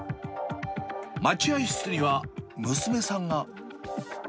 待合室には、娘さんが。